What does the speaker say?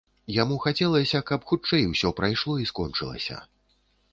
Яму хацелася, каб хутчэй усё прайшло і скончылася.